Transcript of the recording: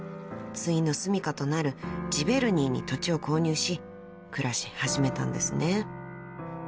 ［終のすみかとなるジヴェルニーに土地を購入し暮らし始めたんですね］